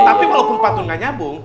tapi walaupun pantun gak nyambung